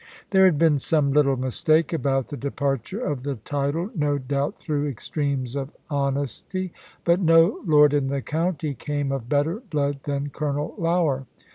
There had been some little mistake about the departure of the title, no doubt through extremes of honesty, but no lord in the county came of better blood than Colonel Lougher.